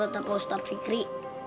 benar pak ustadz fikri